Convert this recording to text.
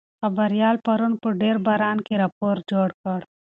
خبریال پرون په ډېر باران کې راپور جوړ کړ.